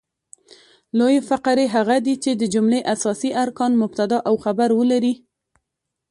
لویي فقرې هغه دي، چي د جملې اساسي ارکان مبتداء او خبر ولري.